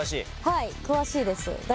はい詳しいです